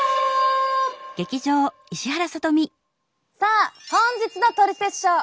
さあ本日の「トリセツショー」。